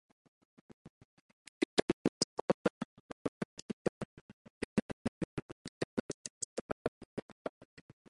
Future legal scholar Robert Keeton, then a Navy lieutenant, survived the attack.